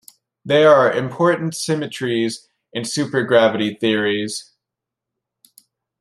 They are important symmetries in supergravity theories.